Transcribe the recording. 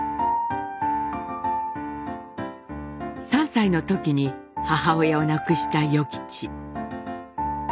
３歳の時に母親を亡くした与吉。